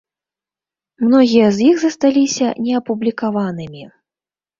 Многія з іх засталіся неапублікаванымі.